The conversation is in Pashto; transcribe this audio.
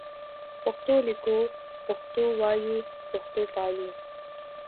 پښتو لیکو پښتو وایو پښتو پالو